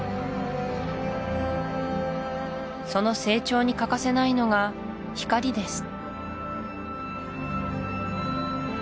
その成長に欠かせないのが光です